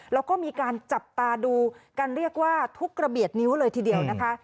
แล้วก็มีการจับตาดูกันเรียกว่าทุกระเบียดนิ้วเลยทีเดียวนะคะ